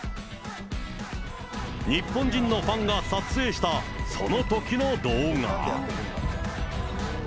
日本人のファンが撮影した、そのときの動画。